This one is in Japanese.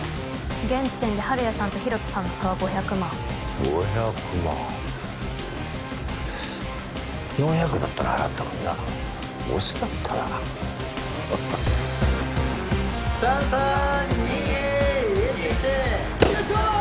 現時点でハルヤさんとヒロトさんの差は５００万５００万４００だったら払ったのにな惜しかったな３３２１１よいしょ！